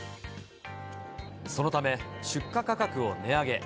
そのため、出荷価格を値上げ。